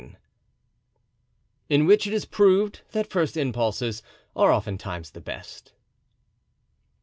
In which it is proved that first Impulses are oftentimes the best.